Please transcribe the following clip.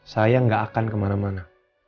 saya nggak akan kemana mana